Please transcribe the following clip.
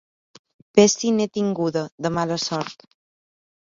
Ves si n'he tinguda, de mala sort.